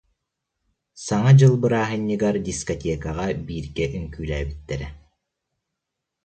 Саҥа дьыл бырааһынньыгар дискотекаҕа бииргэ үҥкүүлээбиттэрэ